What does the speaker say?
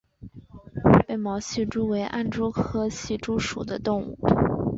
被毛隙蛛为暗蛛科隙蛛属的动物。